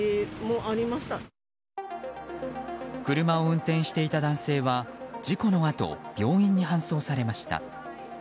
車を運転していた男性は事故のあと病院に搬送されました。